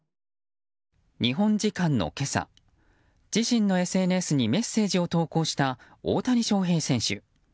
日本時間の今朝、自身のＳＮＳにメッセージを投稿した大谷翔平選手。